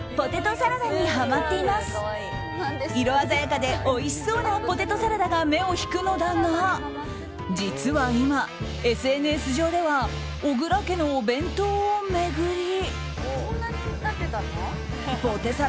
色鮮やかでおいしそうなポテトサラダが目を引くのだが実は今、ＳＮＳ上では小倉家のお弁当を巡り。